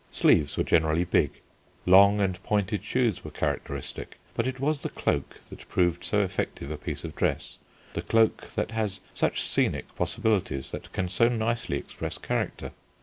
Sleeves were generally big. Long and pointed shoes were characteristic, but it was the cloak that proved so effective a piece of dress, the cloak that has such scenic possibilities, that can so nicely express character.